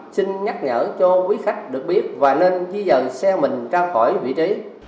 xin nhắc nhở cho quý khách được biết và nên dây dờ xe mình ra khỏi vị trí